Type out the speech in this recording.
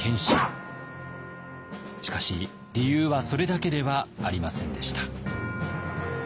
しかし理由はそれだけではありませんでした。